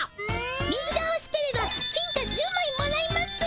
水がほしければ金貨１０まいもらいますぅ。